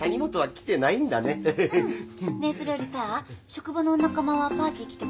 それよりさ職場のお仲間はパーティー来てくれるの？